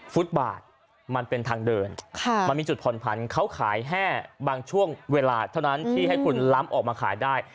ฟุตบาทมันเป็นทางเดินมันมีจุดผ่อนผันเขาขายแค่บางช่วงเวลาเท่านั้นที่ให้คุณล้ำออกมาขายได้